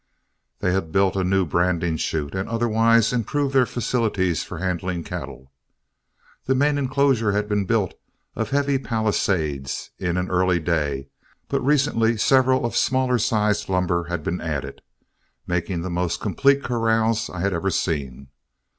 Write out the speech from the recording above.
They had built a new branding chute and otherwise improved their facilities for handling cattle. The main inclosure had been built of heavy palisades in an early day, but recently several of smaller sized lumber had been added, making the most complete corrals I had ever seen.